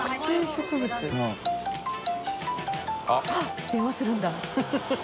叩電話するんだ。